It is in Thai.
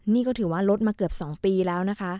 นี่ก็ถือว่าลดมาเกือบ๒ปีแล้วนะคะ